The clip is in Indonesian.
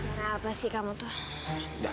cara apa sih kamu tuh